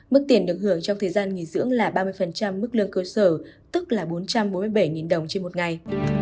mức tiền được hưởng trong thời gian nghỉ dưỡng là ba mươi mức lương cơ sở tức là bốn trăm bốn mươi bảy đồng trên một ngày